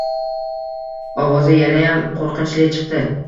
Ovozi yanayam qo`rqinchli chiqdi